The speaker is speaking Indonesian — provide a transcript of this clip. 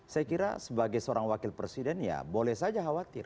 saya kira sebagai seorang wakil presiden ya boleh saja khawatir